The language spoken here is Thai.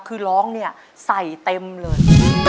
คือร้องเนี่ยใส่เต็มเลย